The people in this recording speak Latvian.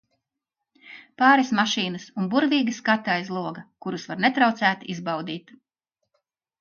Pāris mašīnas un burvīgi skati aiz loga, kurus var netraucēti izbaudīt.